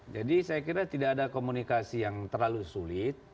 jadi saya kira tidak ada komunikasi yang terlalu sulit